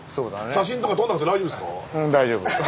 写真とか撮んなくて大丈夫ですか？